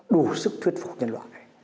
đủ sức thuyết phục nhân loại